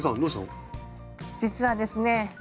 実はですね